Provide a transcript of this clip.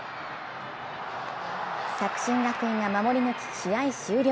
作新学院が守り抜き試合終了。